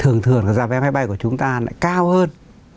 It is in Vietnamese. thường thường là giá vé máy bay của chúng ta lại cao hơn